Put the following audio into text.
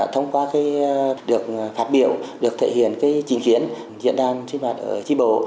thông qua cái được phát biểu được thể hiện cái trình chiến diễn đàn sinh hoạt ở tri bộ